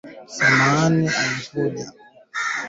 Samahani kuja nikutume